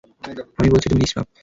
আমি বলছি, তুমি নিষ্পাপ।